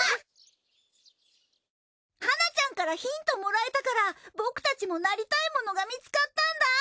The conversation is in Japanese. はなちゃんからヒントもらえたから僕たちもなりたいものが見つかったんだ！